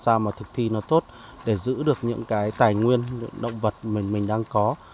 và làm sao mà thực thi nó tốt để giữ được những cái tài nguyên động vật mình đang có